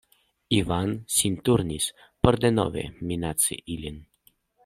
Ivan sin turnis por denove minaci ilin.